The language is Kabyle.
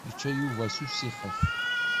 Yečča Yuba s usixef.